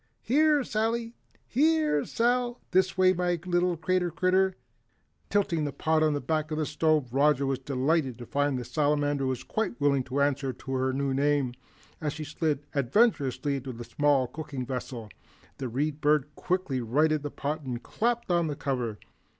Here, Sally, here Sal this way, my little crater critter." Tilting the pot on the back of the stove, Roger was delighted to find the Salamander quite willing to answer to her new name. As she slid adventurously into the small cooking vessel, the Read Bird quickly righted the pot and clapped on the cover.